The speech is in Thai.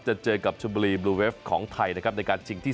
เจอกับชมบุรีบลูเวฟของไทยนะครับในการชิงที่๓